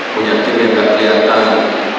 punya tim yang gak keliatan